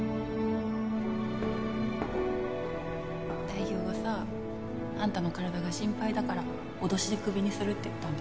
代表はさあんたの体が心配だから脅しでクビにするって言ったんだよ。